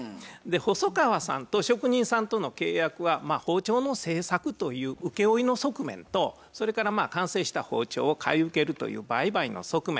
細川さんと職人さんとの契約は包丁の製作という請負の側面とそれから完成した包丁を買い受けるという売買の側面